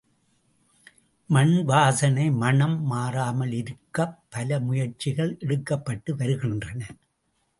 மண்வாசனை மணம் மாறாமல் இருக்கப் பல முயற்சிகள் எடுக்கப்பட்டு வருகின்றன.